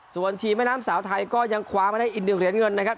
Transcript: ส่วนทีมแม่น้ำสาวไทยก็ยังคว้ามาได้อีก๑เหรียญเงินนะครับ